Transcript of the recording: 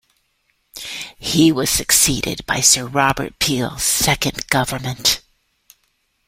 He was succeeded by Sir Robert Peel's second government.